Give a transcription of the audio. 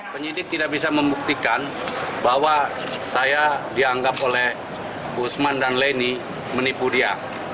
penyidik tidak bisa membuktikan bahwa saya dianggap oleh usman dan leni menipu dia